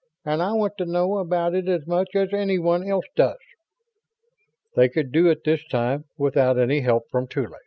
And I want to know about it as much as anyone else does." They could do it this time without any help from Tuly.